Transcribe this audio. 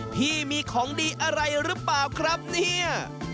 พี่มีของดีอะไรหรือเปล่าครับเนี่ย